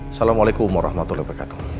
assalamualaikum warahmatullahi wabarakatuh